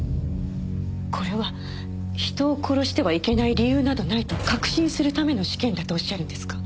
これは人を殺してはいけない理由などないと確信するための試験だとおっしゃるんですか？